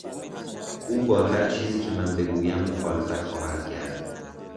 او با هرچیزی که من بگویم مخالفت خواهد کرد.